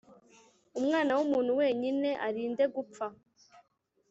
Umwana wumuntu wenyine arinde gupfa